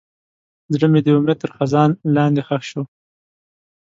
زړه مې د امید تر خزان لاندې ښخ شو.